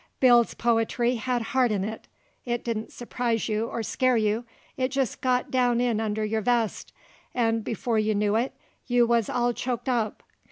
Bill's po'try hed heart in it; it didn't surprise you or scare you; it jest got down in under your vest, 'nd before you knew it you wuz all choked up.